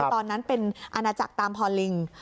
ตอนนั้นเป็นอจตามพลิง